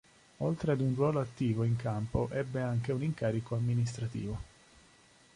Oltre ad un ruolo attivo in campo, ebbe anche un incarico amministrativo.